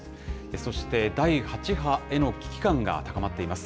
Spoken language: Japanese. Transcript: そして第８波への危機感が高まっています。